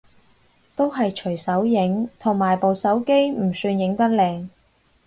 都係隨手影，同埋部手機唔算影得靚